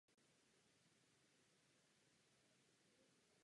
Panuje zde mnohem větší konkurence.